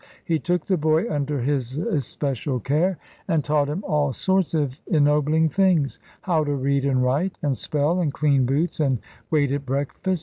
He took the boy under his special care, and taught him all sorts of ennobling things how to read, and write, and spell, and clean boots, and wait at breakfast.